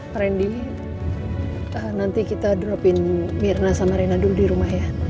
pak rendy nanti kita dropin mirna sama rina dulu di rumah ya